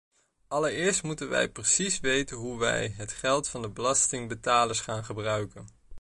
Allereerst moeten wij precies weten hoe wij het geld van de belastingbetalers gaan gebruiken.